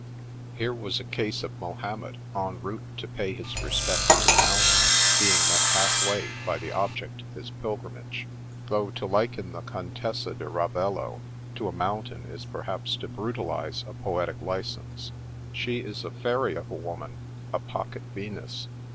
Here was a case of Mahomet, en route to pay his respects to the Mountain, being met halfway by the object of his pilgrimage; though to liken tiie Con tessa di Ravello to a mountain is perhaps to brutalise a poetic license. She is a fairy of a woman, a pocket Venus.